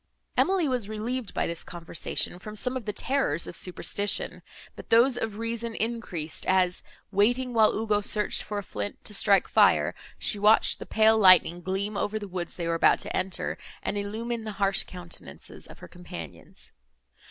Emily was relieved by this conversation from some of the terrors of superstition, but those of reason increased, as, waiting while Ugo searched for a flint, to strike fire, she watched the pale lightning gleam over the woods they were about to enter, and illumine the harsh countenances of her companions.